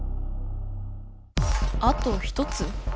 あと１つ？